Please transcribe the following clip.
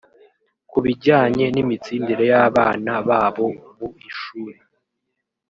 ku bijyanye n’imitsindire y’abana babo mu ishuri